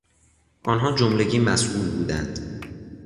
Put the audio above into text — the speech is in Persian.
آنها جملگی مسئول بودند.